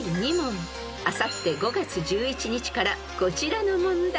［あさって５月１１日からこちらの問題］